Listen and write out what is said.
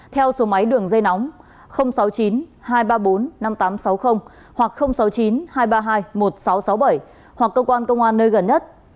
theo số máy đường dây nóng sáu mươi chín hai trăm ba mươi bốn năm nghìn tám trăm sáu mươi hoặc sáu mươi chín hai trăm ba mươi hai một nghìn sáu trăm sáu mươi bảy hoặc cơ quan công an nơi gần nhất